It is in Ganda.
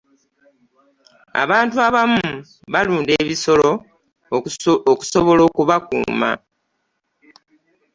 abantu abamu balunda ebisolo okusobola okubakuuma.